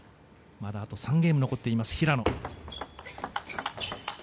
まだ、あと３ゲーム残っています平野。